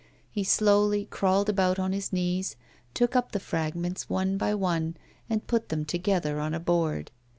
He slowly crawled about on his knees, took up the fragments one by one, and put them together on a board.